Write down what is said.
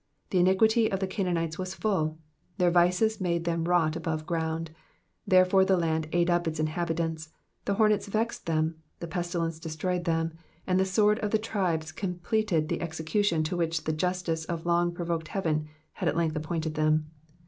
The iniquity of the Canaanites was full ; their vices made them rot above ground ; therefore, the land ate up its inhabitants, the hornets vexed them, the pestilence destroyed them, and the sword of the tribes completed the execu tion to which the justice of long provoked heaven had at length appointed them.